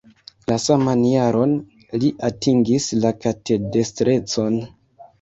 La saman jaron li atingis la katedestrecon.